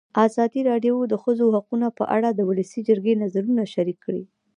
ازادي راډیو د د ښځو حقونه په اړه د ولسي جرګې نظرونه شریک کړي.